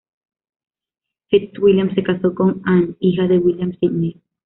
FitzWilliam se casó con Anne, hija de William Sidney.